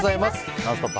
「ノンストップ！」